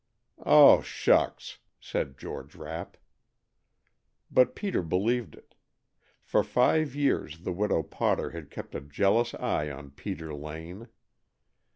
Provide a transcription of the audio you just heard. "Oh, shucks!" said George Rapp. But Peter believed it. For five years the Widow Potter had kept a jealous eye on Peter Lane.